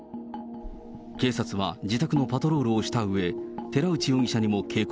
警察は自宅のパトロールをしたうえ、寺内容疑者にも警告。